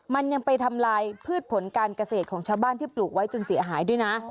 มันยังไปทำลายพืชผลการเกษตรของชาวบ้านที่ปลูกไว้จนเสียหายด้วยนะ